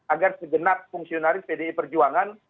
agar segenap fungsionaris pdi perjuangan